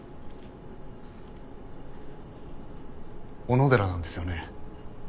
小野寺なんですよね？